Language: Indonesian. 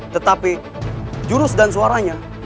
tetapi jurus dan suaranya